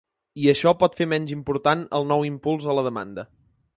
I això pot fer menys important el nou impuls a la demanda.